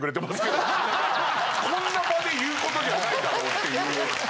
こんな場で言うことじゃないだろうっていう。